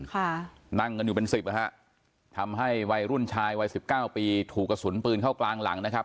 ค่ะนั่งกันอยู่เป็นสิบนะฮะทำให้วัยรุ่นชายวัยสิบเก้าปีถูกกระสุนปืนเข้ากลางหลังนะครับ